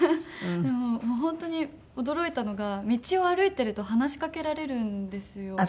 もう本当に驚いたのが道を歩いてると話しかけられるんですよ。